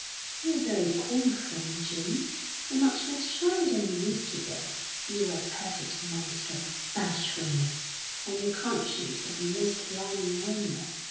"You're very cool, friend Jim and much less shy than you used to be. You were a perfect monster of bashfulness, and your conscience was a most alarming animal.